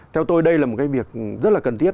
theo tôi đây là một cái việc rất là cần thiết